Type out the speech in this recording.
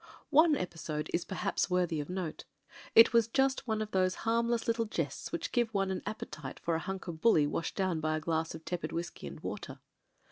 One episode is perhaps worthy of note. It was just one of those harmless little jests which give one an appetite for a hunk of bully washed down by a glass of tepid whisky and water.